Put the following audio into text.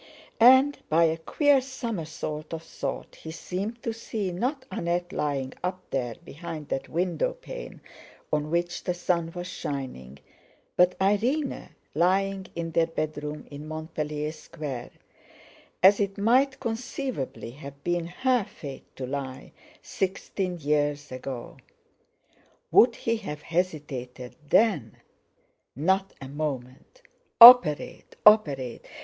And, by a queer somersault of thought, he seemed to see not Annette lying up there behind that window pane on which the sun was shining, but Irene lying in their bedroom in Montpellier Square, as it might conceivably have been her fate to lie, sixteen years ago. Would he have hesitated then? Not a moment! Operate, operate!